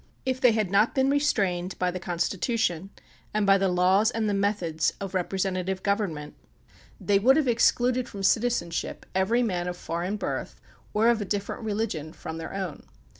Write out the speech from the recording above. If they had not been restrained by the Constitution and by the laws and the methods of representative government, they would have excluded from citizenship every man of foreign bu'th or of a different religion from their own.